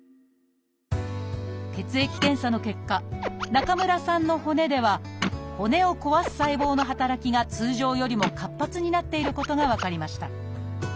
血液検査の結果中村さんの骨では骨を壊す細胞の働きが通常よりも活発になっていることが分かりました。